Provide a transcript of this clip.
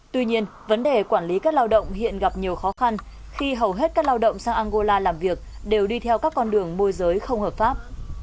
tuy nhiên vấn đề quản lý các lao động hiện gặp nhiều khó khăn khi hầu hết các lao động sang angola làm việc đều đi theo các con đường môi giới không hợp pháp